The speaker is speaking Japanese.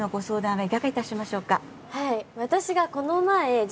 はい。